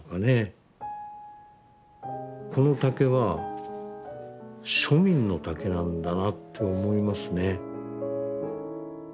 この竹は庶民の竹なんだなって思いますね。